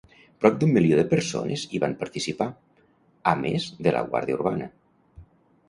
Prop d'un milió de persones hi van participar, a més de la Guàrdia Urbana.